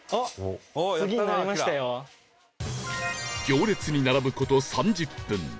行列に並ぶ事３０分